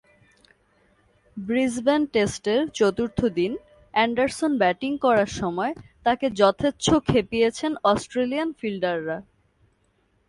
Brisbane টেস্টের চতুর্থ দিন অ্যান্ডারসন ব্যাটিং করার সময় তাঁকে যথেচ্ছ খেপিয়েছেন অস্ট্রেলিয়ান ফিল্ডাররা।